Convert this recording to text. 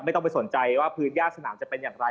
ต้องไปสนใจว่าพื้นย่าสนามจะเป็นอย่างไร